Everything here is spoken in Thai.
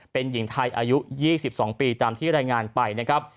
เป็นหญิงไทยอายุ๒๒ปีตามที่รายงานไปนะครับ